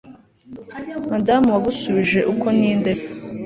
Madamu wagusubije uko ninde